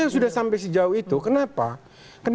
sudah sampai begitu pak